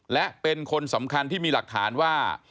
และเป็นคนสำคัญที่มีหลักฐานว่า